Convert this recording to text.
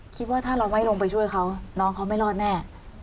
คิดว่าถ้าเราไม่ลงไปช่วยเขาน้องเขาไม่รอดแน่